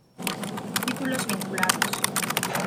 Títulos vinculados